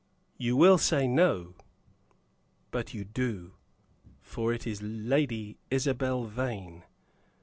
You will say "No." But you do, for it is Lady Isabel Vane.